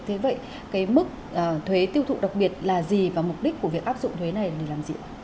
thế vậy cái mức thuế tiêu thụ đặc biệt là gì và mục đích của việc áp dụng thuế này để làm gì ạ